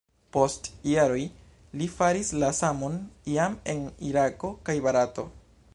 Post jaroj li faris la samon jam en Irako kaj Barato.